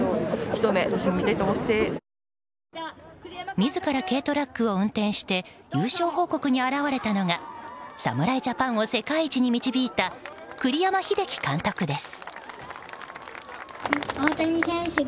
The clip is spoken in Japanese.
自ら軽トラックを運転して優勝報告に現れたのが侍ジャパンを世界一に導いた栗山英樹監督です。